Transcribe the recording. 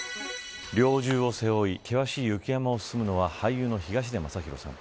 猟銃を背負い、険しい雪山を進むのは俳優の東出昌大さん。